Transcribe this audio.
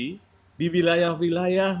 bisa dikopi di wilayah wilayah